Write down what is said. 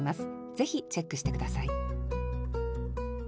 ぜひチェックして下さい